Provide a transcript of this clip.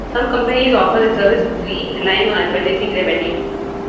Some companies offer the service for free, relying on advertising revenue.